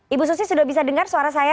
ibu susi sudah bisa dengar suara saya